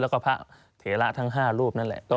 แล้วก็พระเถระทั้ง๕รูปนั่นแหละ